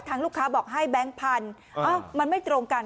ลูกค้าบอกให้แบงค์พันธุ์มันไม่ตรงกัน